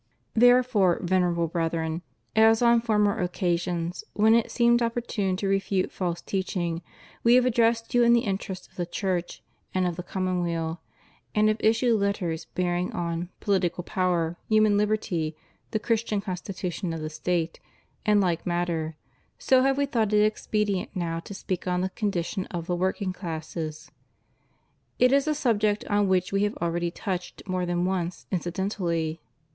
Therefore, Venerable Brethren, as on former occasions when it seemed opportune to refute false teaching, We have addressed you in the interests of the Church and of the commonweal, and have issued Lettei^ bearing on "Political Power," "Human Liberty," "The Christian Constitution of the State," and like matters, so have We thought it expedient now to speak on The Condition of THE Working Classes. It is a subject on which We have already touched more than once, incidentally.